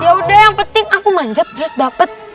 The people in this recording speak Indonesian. ya udah yang penting aku manjat terus dapat